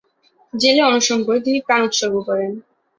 জেলে অনশন করে তিনি প্রাণ উৎসর্গ করেন।